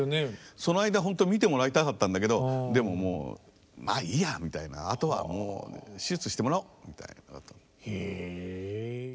その間ほんとは見てもらいたかったんだけどでももうまあいいやみたいなあとはもう手術してもらおうみたいなのがあったの。